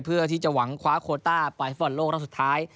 เพื่อที่จะหวังคว้าโคต้าไปฝั่งโลกแล้วสุดท้าย